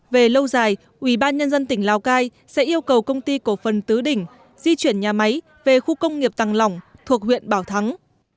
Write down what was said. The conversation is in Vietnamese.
về lâu dài ủy ban nhân dân tỉnh lào cai sẽ yêu cầu công ty cổ phân tứ đỉnh di chuyển nhà máy về khu công nghiệp tăng lỏng thuộc huyện bảo thắng